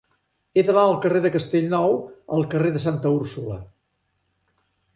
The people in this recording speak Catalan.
He d'anar del carrer de Castellnou al carrer de Santa Úrsula.